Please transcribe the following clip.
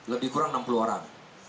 lebih kurang enam puluh orang